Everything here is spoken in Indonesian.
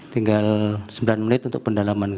tinggal sembilan menit untuk pendalaman